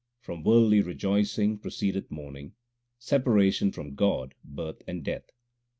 From worldly rejoicing proceedeth mourning, separation from God, birth, and death.